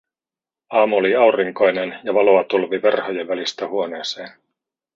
Aamu oli aurinkoinen ja valoa tulvi verhojen välistä huoneeseen.